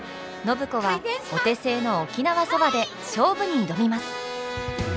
暢子はお手製の沖縄そばで勝負に挑みます。